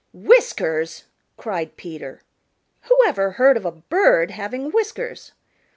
"Whiskers!" cried Peter. "Who ever heard of a bird having whiskers?